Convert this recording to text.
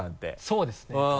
そうですね。